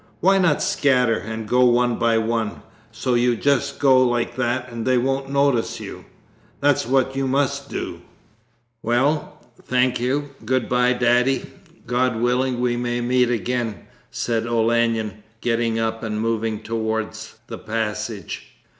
'Why not scatter, and go one by one? So you just go like that and they won't notice you. That's what you must do.' 'Well, thank you! Good bye, Daddy. God willing we may meet again,' said Olenin, getting up and moving towards the passage.